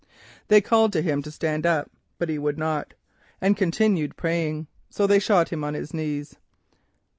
"They called to him to stand up, but he would not, and continued praying. So they shot him on his knees."